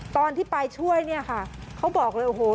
ตอนที่ไปช่วยเนี่ยค่ะเขาบอกเลยโอ้โห